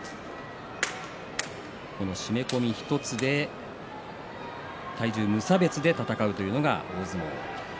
締め込み１つで体重無差別で戦うのが大相撲。